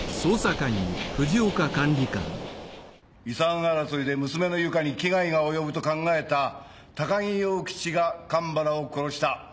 遺産争いで娘の由香に危害が及ぶと考えた高木陽吉が神原を殺した。